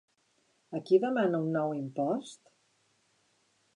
A qui demana un nou impost?